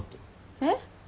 えっ？